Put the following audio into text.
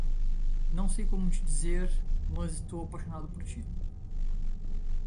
Não sei como te dizer, mas estou apaixonado por ti.